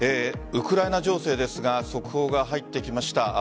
ウクライナ情勢ですが速報が入ってきました。